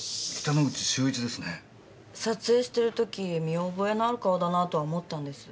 撮影している時見覚えのある顔だなとは思ったんです。